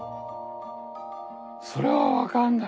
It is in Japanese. それは分かんない！